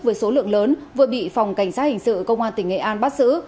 với số lượng lớn vừa bị phòng cảnh sát hình sự công an tỉnh nghệ an bắt xử